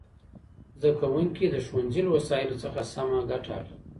زدهکوونکي د ښوونځي له وسایلو څخه سمه ګټه اخلي.